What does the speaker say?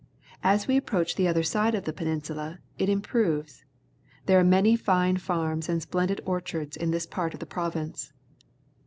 As we approach the other side of the peninsula, it improves. There are many fine farms and splendid orchards in this part of the province.